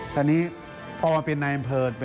ตอนนี้พอเป็นในอำเภอ